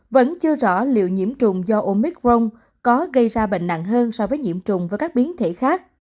vẫn chưa rõ liệu nhiễm trùng do omicron có gây ra bệnh nặng hơn so với nhiễm trùng và các biến thể khác